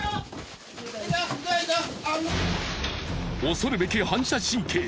恐るべき反射神経！